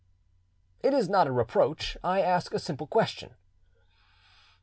"It is not a reproach: I ask a simple question."